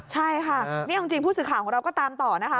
ใช่ค่ะนี่เอาจริงผู้สื่อข่าวของเราก็ตามต่อนะคะ